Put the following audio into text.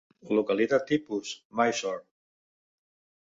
Localitat tipus: Mysore.